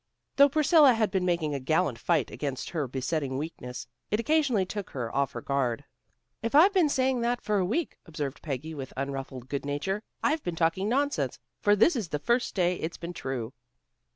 Though Priscilla had been making a gallant fight against her besetting weakness, it occasionally took her off her guard. "If I've been saying that for a week," observed Peggy with unruffled good nature, "I've been talking nonsense. For this is the first day it's been true."